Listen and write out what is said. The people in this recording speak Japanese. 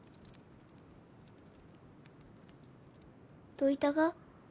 どういたが？